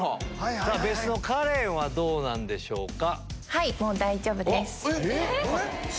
別室のカレンはどうなんでしょうか？